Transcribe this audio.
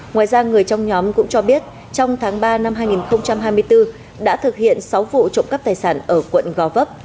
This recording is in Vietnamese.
ngoài ra người trong nhóm cũng cho biết trong tháng ba năm hai nghìn hai mươi bốn đã thực hiện sáu vụ trộm cắp tài sản ở quận gò vấp